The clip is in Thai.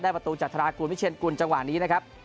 ได้ประตูจัดทรากุลมิเชนกุลจังหวะนี้นะครับ